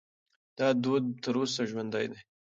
دا دود تر اوسه ژوندی دی.